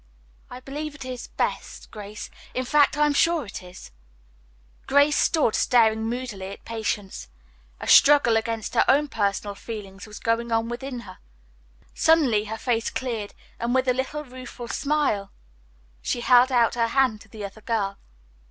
"I believe it is best, Grace. In fact, I am sure it is." Grace stood staring moodily at Patience. A struggle against her own personal feelings was going on within her. Suddenly her face cleared, and with a little, rueful smile she held out her hand to the other girl.